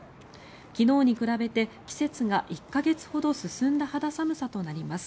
昨日に比べて季節が１か月ほど進んだ肌寒さとなります。